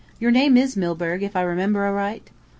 "Your name is Milburgh, if I remember aright?"